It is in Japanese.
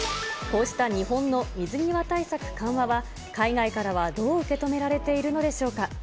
こうした日本の水際対策緩和は、海外からはどう受け止められているのでしょうか。